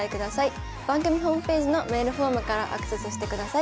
番組ホームページのメールフォームからアクセスしてください。